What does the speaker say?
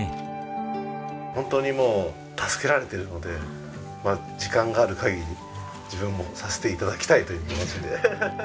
本当にもう助けられているので時間がある限り自分もさせて頂きたいという気持ちで。